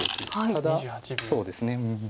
ただそうですね。